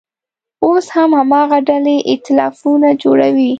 اوس هم هماغه ډلې اییتلافونه جوړوي.